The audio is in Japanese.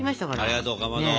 ありがとうかまど。